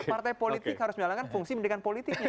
partai politik harus menjalankan fungsi pendidikan politiknya